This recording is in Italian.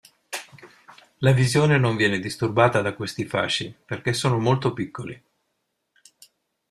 La visione non viene disturbata da questi fasci, perché sono molto piccoli.